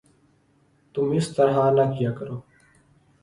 تم اس طرح نہ کیا کرو